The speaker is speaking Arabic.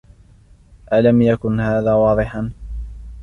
الم یکن هذا واضحا ؟